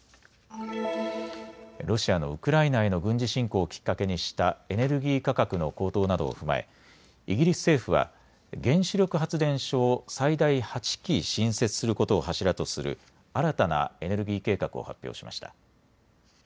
ロシアのウクライナへの軍事侵攻をきっかけにしたエネルギー価格の高騰などを踏まえイギリス政府は原子力発電所を最大８基新設することを柱とする新たなエネルギー計画を発表しました。